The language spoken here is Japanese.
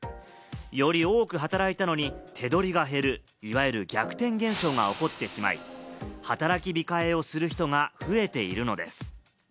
より多く働いたのに手取りが減る、いわゆる逆転現象が起こってしまい、働き控えをする人が増えているのです。